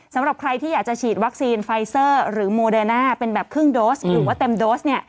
สำหรับใครที่อยากจะฉีดวัคซีนไฟเซอร์หรือโมเดอร์น่าเป็นแบบครึ่งโดสหรือว่าเต็มโดสเนี่ย